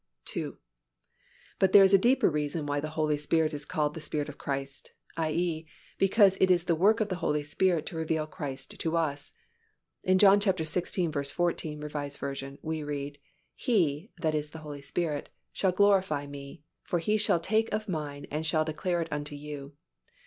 (2) But there is a deeper reason why the Holy Spirit is called "the Spirit of Christ," i. e., because it is the work of the Holy Spirit to reveal Christ to us. In John xvi. 14, R. V., we read, "He (that is the Holy Spirit) shall glorify Me: for He shall take of Mine, and shall declare it unto you."